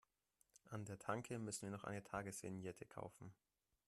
An der Tanke müssen wir noch eine Tagesvignette kaufen.